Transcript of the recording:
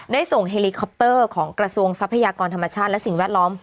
ส่งเฮลิคอปเตอร์ของกระทรวงทรัพยากรธรรมชาติและสิ่งแวดล้อม